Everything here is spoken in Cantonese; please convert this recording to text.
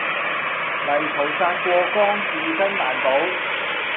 泥菩薩過江自身難保